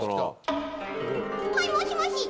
はいもしもし。